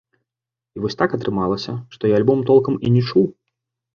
І вось так атрымалася, што я альбом толкам і не чуў.